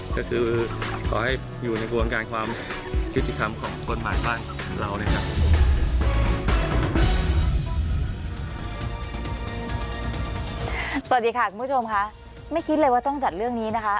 สวัสดีค่ะคุณผู้ชมค่ะไม่คิดเลยว่าต้องจัดเรื่องนี้นะคะ